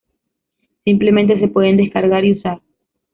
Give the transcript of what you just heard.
Simplemente se pueden descargar y usar.